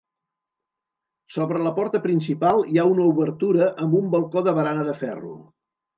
Sobre la porta principal hi ha una obertura amb un balcó de barana de ferro.